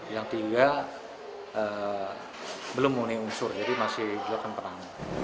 yang tiga belum memenuhi unsur jadi masih dilakukan perang